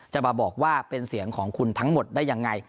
จะมาบอกว่าเป็นเสียงของคุณทั้งหมดได้ยังไง